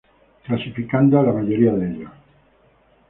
Clasificando a la mayoría de ellos.